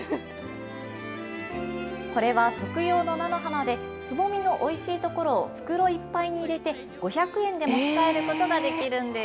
これは食用の菜の花で、つぼみのおいしいところを袋いっぱいに入れて、５００円で持ち帰ることができるんです。